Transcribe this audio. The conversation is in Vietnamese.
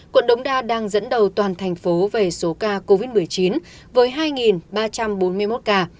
quận đống đa đang dẫn đầu toàn thành phố về số ca covid một mươi chín với hai ba trăm bốn mươi một ca